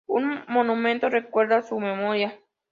Un monumento recuerda su memoria.